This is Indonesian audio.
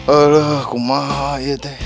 alah kumaha ya teh